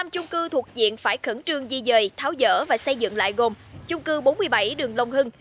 năm chung cư thuộc diện phải khẩn trương di dời tháo dở và xây dựng lại gồm chung cư bốn mươi bảy đường long hưng